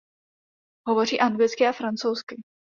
Hovoří anglicky a francouzsky.